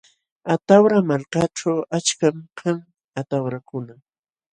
Atawra malkaćhu achkam kan atawrakuna.